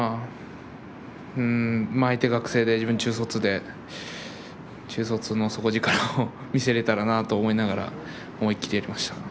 相手が、自分が中卒で中卒の底力を見せれたらなと思いっきりやりました。